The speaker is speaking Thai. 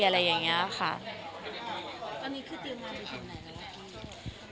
ตอนนี้คือเตียงมาจากที่ไหนนะครับ